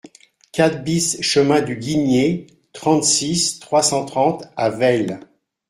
quatre BIS chemin du Guignier, trente-six, trois cent trente à Velles